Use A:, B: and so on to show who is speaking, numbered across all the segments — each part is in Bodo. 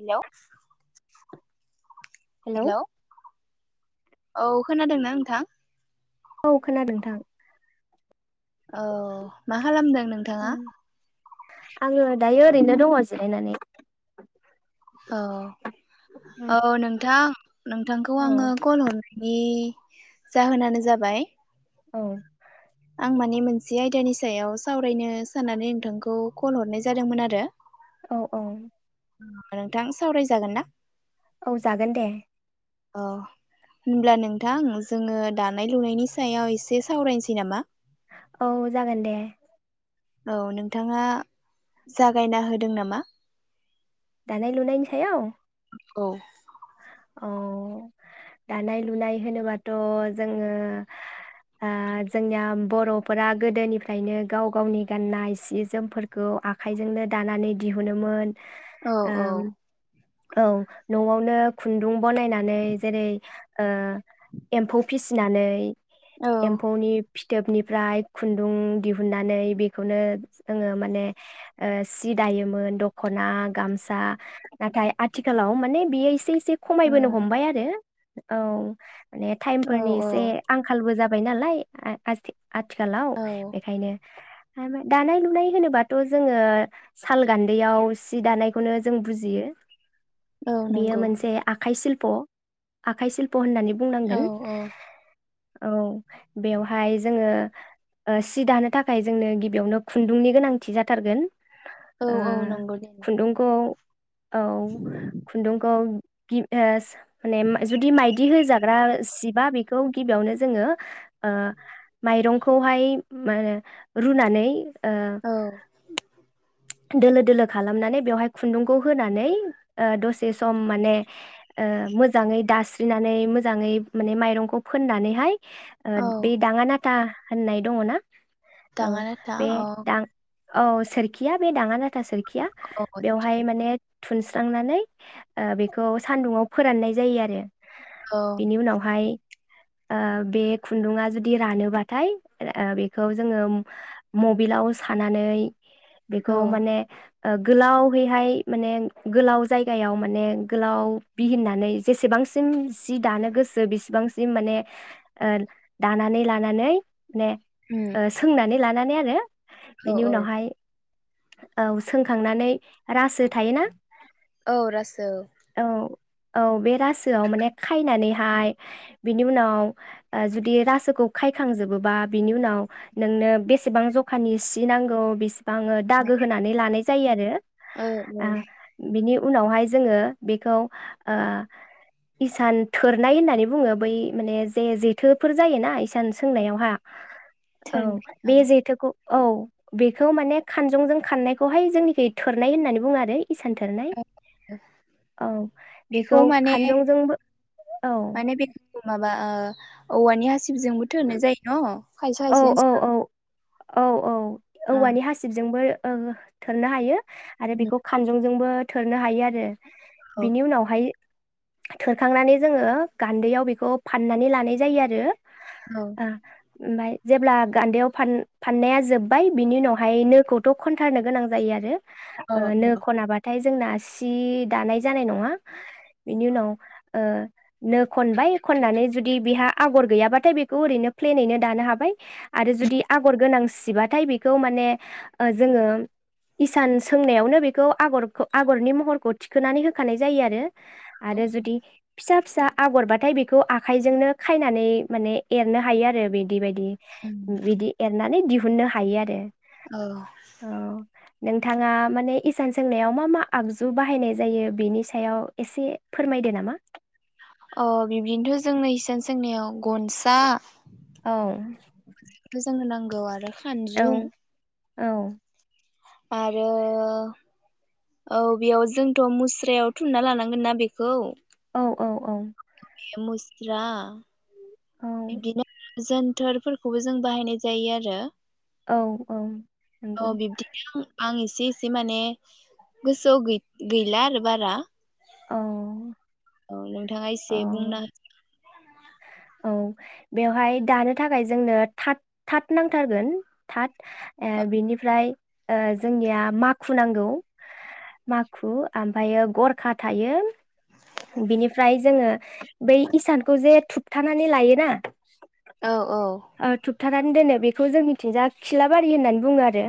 A: हेल'।
B: हेलौ।
A: औ खोनादोंना नोंथां?
B: औ खोनादों थां।
A: औ मा खालामदों नोंथाङा?
B: आङो दायो ओरैनो दङ जिरायनानै।
A: औ, औ नोंथां नोंथांखौ
B: औ
A: आङो कल हर नि जाहोनानो जाबाय
B: औ।
A: माने मोनसे आयदानि सायाव सावरायनो साननानै नोंथांखौ कल हरनाय जादोंमोन आरो।
B: औ औ।
A: नोंथां सावरायजागोन ना?
B: औ जागोन दे।
A: औ होमब्ला नोंथां जोङो दानाय लुनायनि सायाव एसे सावरायनोसै नामा?
B: औ जागोन दे।
A: औ नोंथाङा जागायना होदों नामा?
B: दानाय लुनायनि सायाव?
A: औ
B: अ' दानाय लुनाय होनोबाथ' जोङो ओ जोंनिया बर'फोरा गोदोनिफ्रायनो गाव गावनि गाननाय सि जोमफोरखौ आखाइजोंनो दानानै दिहुनोमोन।
A: औ औ
B: ओम औ नआवनो खुन्दुं बनायनानै जेरै ओ एम्फौ फिसिनानै
A: औ ओ
B: एम्फौनि फिथोबनि फ्राय खुन्दुं दिहुननानै बेखौनो जोङो माने ओ सि दायोमोन दखना गामसा नाथाय आथिखालाव माने बेयो एसे एसे खमायबोनो हमबाय आरो औ माने टाइम
A: औ
B: फोरनि
A: औ
B: एसे आंखालबो जाबा बाय नालाय आथि- आथिखालाव
A: औ
B: बेखायनो दानाय लुनाय होनोबाथ जोङो साल गान्दैयाव सि दानायखौनो जों बुजियो
A: औ नंगौ।
B: बाइशिल्प आखाइशिल्प। ब होननानै
A: औ
B: बुंनांगोन।
A: औ
B: औ बेवहाय जोङो ओ सि दानो थाखाय जोंनो गिबियावनो खुन्दुंनि गोनांथि जाथारगोन।
A: औ
B: ओ
A: औ नंगौ दे नोंथां।
B: खुन्दुंखौ। औ खुन्दुंखौ। गिब एस। माने मा जुदि मायदि हो जाब। जाग्रा सिबा बेखौ गिबियावनो जोङो ओ माइरंखौहाय रुनानै। ओ
A: औ।
B: दोलो दोलो खालामनानै बेवहाय खुन्दुंखौ होनानै ओ दसे सम माने ओ मोजाङै दास्रिनानै मोजाङै माने माइरंखौ फोननानैहाय। ओ
A: औ
B: बे दाङा ना। था होननाय दङ ना। औ
A: दाङा नाथा
B: बे
A: औ
B: दां। औ सोरखि। गैया बे दाङा। थ सोरोरखिया
A: औ
B: बेवहाय माने। थुनस्रांनानै ओ बेखौ सान्दुंङाव फोराननाय जायो आरो।
A: औ
B: बेनि उनावहाय। ओ बे खुन्दुा जुदि रानोबाथाय ओ बेखौ जोङो मबिलाव सानानै। बेखौ
A: औ
B: माने। ओ गोलावहैहाय माने गोलाव जायगायाव माने गोलाव बिहिननानै जेसेबांसिम जि दानो गोसो बेसेबांसिम माने ओ दानानै लानानै। मे
A: उम
B: ओ सोंनानै लानानै आरो।
A: औ
B: बिनि
A: औ
B: उनावहाय। औ सोंखांनानै रासो थायोना।
A: औ राजो।
B: औ औ बे रासोआव माने खायनानैहाय बिनि उनाव जुदि रासोखौ खायखांजोबोबा बिनि उनाव नोंनो बेसेबां जखानि सि नांगौ बे। आंङो दागो होनानै लानाय। जायो आरो।
A: औ
B: आ बिनि। उनावहाय जोंङो बेखौ ओ हिसान थोरनाय होननानै बुंङो बै माने जे जेथोफोर जायोना इस। हिसान सोंनायावहा औ
A: थोरनाय औ
B: बे जेथोखौ। औ बेखौ माने। खानजंजों खाननायखौहाय जोंनिखि थोरनाय होननानै बुङो आरो इसानथोरनाय
A: औ
B: औ बेखौ खानजंजोंबो औ
A: औवानिहासि जोंबो थोर जायो न
B: औ
A: खायसायसै
B: औ औ औ औ औवानि हासिबजोंबो ओ थोननो हायो आरो बेखौ खानजं जोंबो थोरनो हायो आरो
A: औ
B: बिनि उनावहाय थोरखांनानै जोंङो गान्दैयाव बेखौ फाननानै लानाय जायो आरो
A: औ
B: ओ ओमफ्राय जेब्ला गान्दायाव फान फाननाया जोब्बाय बिनि उनावहाय नोखौथ खनथारनो गोनां जायो आरो
A: औ
B: ओ नो खनाबाथाय जोंना सि दानाय जानाय नंङा बिनि उनाव ओ नो खनबाय खनानै जुदि बेहा आगर गैयाबाथाय बेखौ ओरैनो प्लेनैनो दानो हाबाय आरो जुदि आगर गोनां सिबाथाय बेखौ माने ओ जोंङो इसान सोंनायावनो बेखौ आगरखौ आगरनि महरखौ थिखोनानै होखानाय जायो आरो आरो जुदि फिसा फिसा आगरबाथाय बेखौ आखाइजोंनो खायनानै माने एरनो हायो आरो बे बायदि बि बिदि एरनानै दि हुननो हायो आरो।
A: औ
B: औ नोंथाङा माने इसान सोंनायाव मा मा आगजु बाहायनाय जायो बेनि सायाव एसे फोरमायदो नामा?
A: अ बिबदिनोथ जोंनसां सोंनियाव गनसा
B: औ।
A: गौ आरो
B: औ
A: खानजुं
B: औ
A: आरो औ बेयाव जोंथ मुस्रायाव थुनना लानांगोन ना बेखौ।
B: औ औ औ।
A: मुस्रा
B: औ
A: बिदिनो जोनथोरफोरखौबो जों बाहायनाय जायो आरो।
B: औ औ नंगौ‌।
A: इसे इसे माने गोसोआव गैला आरो बारा
B: औ।
A: औ नों नोंथाङा
B: औ
A: एसे बुंना
B: औ बेवहाय दानो थाखाय जोंनो थाथ-थाथ नांथारगोन थाथ ओ बिनिफ्राय जोंनिया माखु नांगौ माखु ओमफ्राययो गरखा थायो बिनिफ्राय जोङो बै इसानखौ जे थु हमथानानै लायोना
A: औ औ
B: बथानानै दोनो बेखौ जोंनिथिंजा खिलाबारि होननानै बुङो आरो।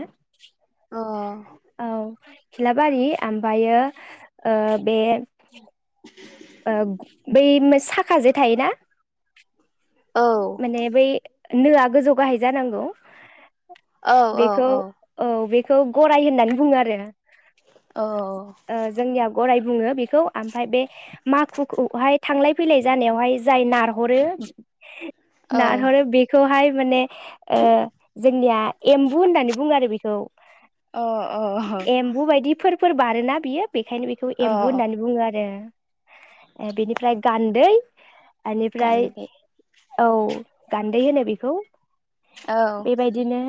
A: औ अ
B: औ खिलाबारि ओमफ्रायो बे
A: [inaudible]
B: बै साखाजे थायोना।
A: औ
B: माने बै नोआ गोजौ गाहाय जानांगौ।
A: औ
B: बेखौ औ बे खौ गराइ होननानै बुङो आरो
A: औ
B: ओ जोंनिया गराइ बुङो बेखौ ओमफ्राय बे खौहाय थांलाय फैलाय जानायावहाय जाय नारहरो
A: औ
B: नारहरो बेखौहाय थार माने ओ जोंनिया एम्बु होननानै बुङो आरो बेखौ
A: अ अ
B: फोर बारोना बियो बेखायनो बेखौ
A: अ
B: एम्बु होननानै बुङो आरो ए बिनिफ्राय गान्दै ओनिफ्राय
A: गान्दै
B: औ गान्दै होनो बेखौ
A: औ
B: बे बायदिनो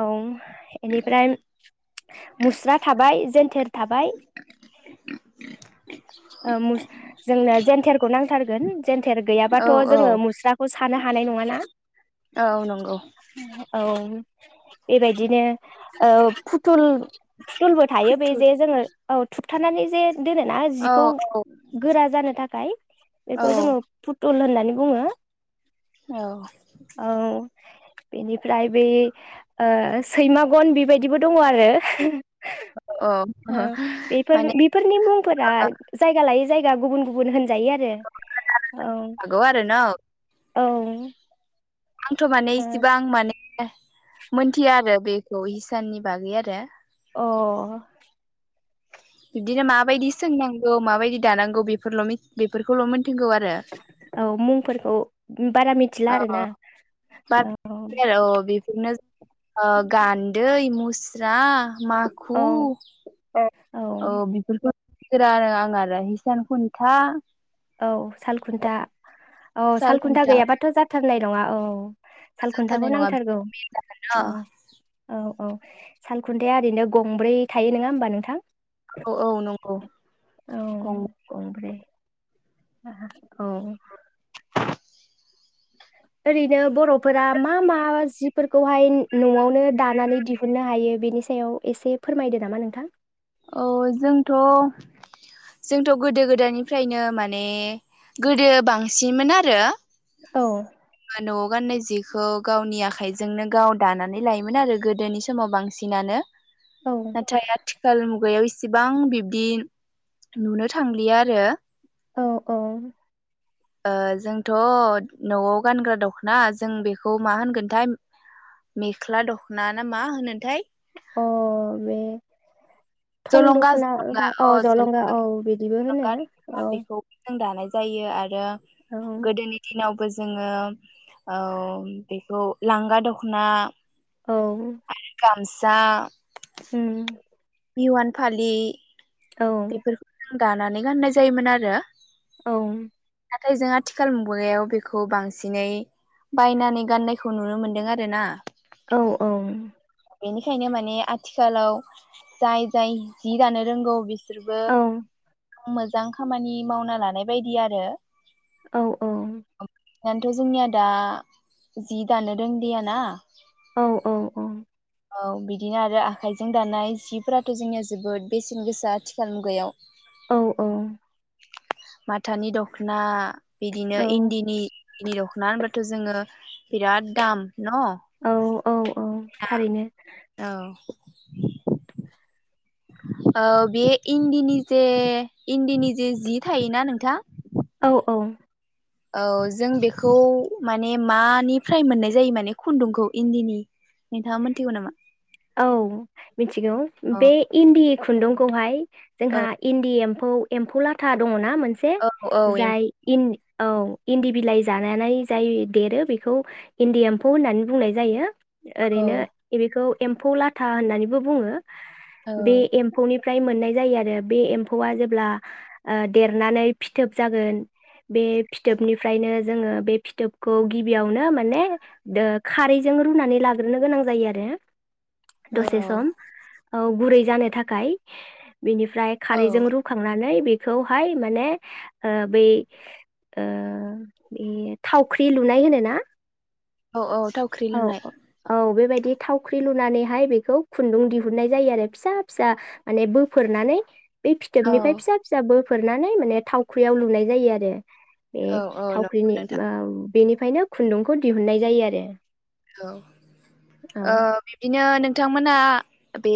B: औ बेनिफ्राय मुस्रा थाबाय जेन्थेर थाबाय जोंनो जेनथोरखौ नांथारगोन जेनथोर
A: औ
B: गैयाबाथ
A: औ
B: जोङो मुस्राखौ सा थानो हानाय नङाना
A: औ नंगौ
B: बे बायदिनो ओ फुथुल तुलबो थायो बे
A: फुथुर
B: जे जोङो औ थुबथानानै जे दोनोना
A: औ
B: जिखौ
A: औ
B: गोरा जानो थाखाय
A: औ
B: बेखौ जोङो फुद सुल होननानै बुङो
A: औ
B: औ बेनिफ्राय बै ओ सैमागन बेबायदिबो दङ आरो
A: औ
B: ओ बेफोर
A: माने
B: बेफोरनि मुंफोरा लायो जायगा गुबुन गुबुन होन जायो आरो औ
A: हागौ आरो न
B: औ
A: आंथ माने
B: ओ
A: इसेबां माने मोनथिया आरो बे खौ हिसाननि बागै आरो
B: अ
A: बिदिनो माबायदि सोंनांगौ माबायदि दानांगौ बेफोरल मि बेफोरखौल मोन
B: औ मुंफोरखौ बारा मिथिला
A: अ
B: आरोना
A: [inaudible] आरो अ बेफोरनो ओ गान्दै मुस्रा माखु
B: औ औ
A: ओ बिफोरखो गोरा आरो आं आरो हिसान खुन्था
B: औ सालखुन्था औ
A: साल
B: सालखुन्था
A: खुन्था
B: गैयाबाथ जाथारनाय नङा औ सालखुन्थाखौ
A: जाथारनाय नङा
B: नांथारगौ
A: बिनो
B: औ औ औ सालखुन्थाया ओरैनो गंब्रै थायो नोङा होमबा नोंथां?
A: औ औ नंगौ
B: औ
A: गं
B: गंब्रै [inaudible] औ ओरैनो बरफोरा मा मा जिफोरखौहाय नआवनो दानानै दिहुननो हायो बेनि सायाव एसे फोरमायदो नामा नोंथां?
A: औ जोंथ-जोंथ गोदो गोदायनिफ्रायनो माने गोदो बांसिनमोन आरो
B: औ
A: बा नआव गाननाय जिखौ गावनि आखाइजोंनो गाव दानानै लायोमोन आरो गोदोनि समाव बांसिनानो
B: औ
A: नाथाय आथिखाल मुगायाव इ एसेबां बिब्दि नुनो थांलिया आरो
B: औ औ
A: ओ जोंथ' नआव गानग्रा दखना जों बेखौ मा होनगोनथाय मेख्ला दखना ना मा होनोथाय
B: अ बे थं
A: जलंगा
B: दखना
A: जलंगा
B: अ जलंगा औ बिदिबो होनो
A: जलंगा
B: औ
A: बेखौ जों दानाय जायो आरो
B: औ
A: गोदोनि दिनाव बो जोङो औ बेखौ लांगा दख'ना
B: औ
A: गामसा
B: उम
A: बिहुवान फालि
B: औ
A: बेफोरखौ दानानै गाननाय जायोमोन आरो।
B: औ
A: नाथाय जों आथिखाल मुगायाव बेखौ बांसिनै बायनानै गाननायखौ नुनो मोनदों आर ना।
B: औ
A: बेनिखायनो माने आथिखालाव जाय जाय जि दानो रोंगौ बिस सोरबा
B: औ
A: आं मोजां खामानि मावना लानाय बायदि आरो
B: औ औ
A: दाथ' जोंनिया दा जि दानो रोंदैया ना
B: औ औ औ
A: औ बिदिनो आरो आखाइजों दानाय जिफोराथ' जोंनिया जोबोद बेसेन गोसा आथिखाल मुगायाव। माथानि दख'ना बिदिनो इन्दिनि इ दख'ना होनबा थ' जोङो बिराद दाम। न'
B: औ औ औ थारैनो।
A: औ औ बेयो इन्दिनि जे इदिनि जि थायोना नोंथां।
B: औ औ
A: औ जों बेखौ माने मानिफ्राय मोननाय जायो माने खुन्दुंखौ इन्दिनि नोंथाङा मोनथिगौ नामा?
B: औ मिथिगौ
A: औ
B: बे इन्दि खुन्दुंखौहाय जोंहा इन्दि एम फौखौ एम्फौला था दं। ना मोनसे
A: औ औ
B: जाय इन। औ इन्दि बिलाइ जानानै जाय देरो बेखौ इन्दि एम्फौ होननानै बुंनाय जायो।
A: एम्फौ
B: ओरैनो बेखौ एम्फौ लाथा होननानैबो बुङो
A: औ
B: बे एम्फौनि फ्राय मोननाय जायो आरो बे एम्फौआ जेब्ला देरनानै फिथोब जागोन बे फिथोबनिफ्रायनो जोङो बे फिथोबखौ गिबियावनो माने दो खारैजों रुनानै लाग्रोनो गोनां जायो आरो दे
A: औ
B: दसे सम औ गुरै जानो थाखाय बिनिफ्राय
A: औ
B: खारैजों रुखांनानै बे खौहाय माने ओ बै ओ बे थावख्रि लुनाय होनोना?
A: औ औ थावख्रि लुनाय
B: औ बेबायदि थावख्रि लुनानैहाय बेखौ खुन्दुं दिहुननाय जायो आरो फिसा फिसा माने बोफोरनानै बे
A: औ
B: फिथोबनिफ्राय फिसा फिसाबो फोरनानै माने थावख्रियाव लुनाय जायो आरो बे
A: औ औ नंगौ
B: थावख्रिनि
A: नोंथां
B: [unintelligible] बेनिफ्रायनो खुन्दुंखौ दिहुनन्नाय जायो आरो
A: औ ओ
B: औ
A: बिब्दिनो नोंथांमोनहा बे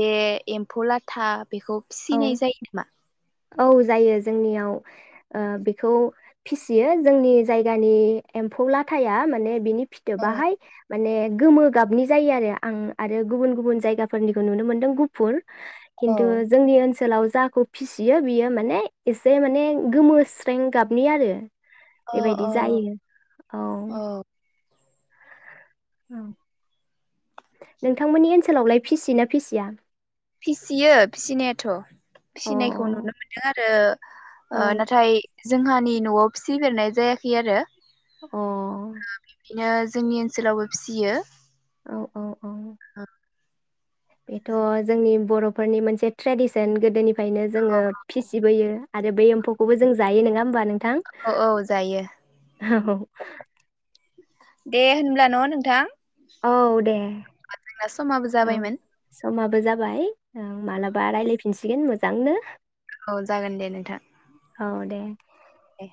A: एम्फौ लाथाब बेखौ
B: औ
A: फिसिनाय जायो नामा?
B: औ जायो जोंनियाव ओ बेखौ फिसियो जोंनि जायगानि एम्फौ लाथाया माने बिनि
A: औ
B: फिथोबाहाय माने गोमो गाबनि जायो आरो आं आरो गुबुन गुबुन जायगाफोरनिखौ नुनो मोनदों गुफुर
A: औ
B: खिन्थु ओनसोलाव जाखौ फिसियो बियो माने एसे माने गोमोस्रें गाबनि आरो
A: अ
B: बेबायदि जायो। औ औ नोंथांमोननि ओनसोलावलाय फिसियो ना फिसिया?
A: फिसियो फिसिनायाथ'
B: अ
A: फिसिनायखौ नुनो
B: औ
A: मोनदों आ रो
B: अ
A: ओ नाथाय जोंहानि न'आव फिसिफेरनाय जायाखै आरो
B: अ
A: दिनो जोंनि ओनसोलावबो फिसियो।
B: औ औ औ बेथ' जोंनि बर'फोरनि मोनसे ट्रेडिसन गोदोनि फ्रायनो जोङो फिसिबोयो आरो बे एम्फौखौबो जों जायो। नोङा होमबा नोंथां?
A: औ औ जायो दे होनब्ला न' नोंथां।
B: औ दे।
A: [unintelligible] समाबो जाबायमोन।
B: बो जाबाय ओ मालाबा रायलायफिनसिगोन मोजांनो।
A: औ जागोन दे नोंथां।
B: औ दे।
A: ए